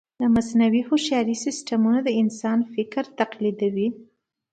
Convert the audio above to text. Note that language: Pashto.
د مصنوعي هوښیارۍ سیسټمونه د انسان فکر تقلیدوي.